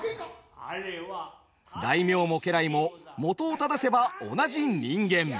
大名も家来も本を正せば同じ人間。